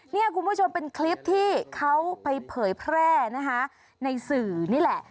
นี่คุณผู้ชมเป็นคลิปที่เขาไปเผยแพร่นะคะในสื่อนี่แหละ